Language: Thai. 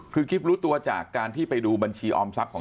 คือกิ๊บรู้ตัวจากการที่ไปดูบัญชีออมทรัพย์ของ